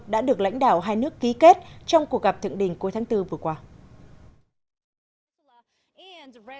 đã được lãnh đạo hai nước ký kết trong cuộc gặp thượng đình cuối tháng bốn vừa qua